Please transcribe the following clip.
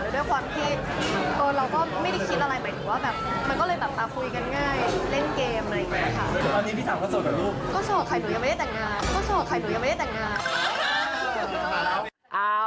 แล้วด้วยความที่ตัวเราก็ไม่ได้คิดอะไรใหม่